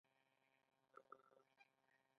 د کونړ دره ډیره زرغونه ده